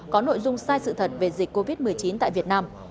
có nội dung sai sự thật về dịch covid một mươi chín tại việt nam